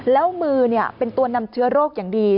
แล้วมือเป็นตัวนำเชื้อโรคอย่างดี